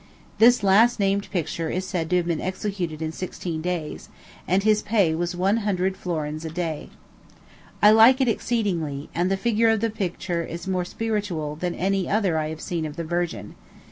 This last named picture is said to have been executed in sixteen days, and his pay was one hundred florins a day. I like it exceedingly; and the figure of the picture is more spiritual than any other I have seen of the Virgin.